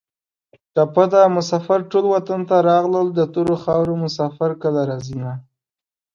ټپه ده: مسافر ټول وطن ته راغلل د تورو خارو مسافر کله راځینه